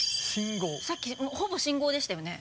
さっきほぼ信号でしたよね